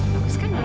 bagus kan dia ya